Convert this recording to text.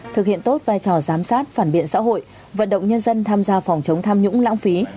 thực hiện tốt vai trò giám sát phản biện xã hội vận động nhân dân tham gia phòng chống tham nhũng lãng phí